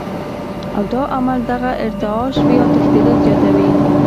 او دا عمل دغه ارتعاش يا تښنېدل زياتوي